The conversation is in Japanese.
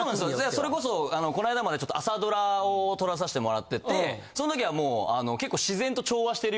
それこそこの間まで朝ドラを撮らさせてもらっててその時はもう結構。